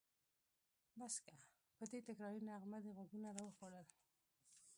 بس که! په دې تکراري نغمه دې غوږونه راوخوړل.